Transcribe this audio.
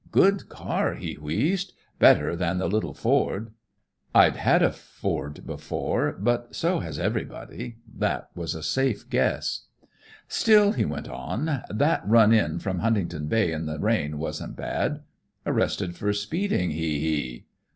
"'Good car,' he wheezed, 'better than the little Ford.' "I'd had a Ford before, but so has everybody; that was a safe guess. "'Still,' he went on, 'that run in from Huntington Bay in the rain wasn't bad. Arrested for speeding, he he.'